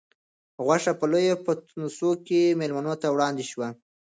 غوښه په لویو پتنوسونو کې مېلمنو ته وړاندې شوه.